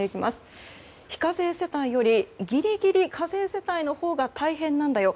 非課税世帯よりギリギリ課税世帯のほうが大変なんだよ。